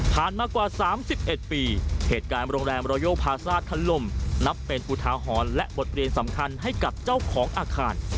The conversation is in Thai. มากว่า๓๑ปีเหตุการณ์โรงแรมโรโยพาซ่าทันลมนับเป็นอุทาหรณ์และบทเรียนสำคัญให้กับเจ้าของอาคาร